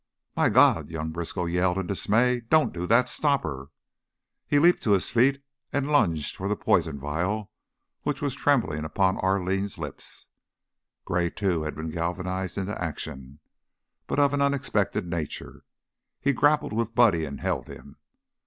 "My God!" young Briskow yelled, in dismay. "Don't do that! Stop her!" He leaped to his feet and lunged for the poison vial which was trembling upon Arline's lips. Gray, too, had been galvanized into action, but of an unexpected nature; he grappled with Buddy and held him.